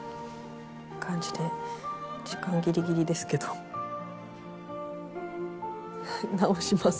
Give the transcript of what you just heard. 時間ギリギリですけど直します。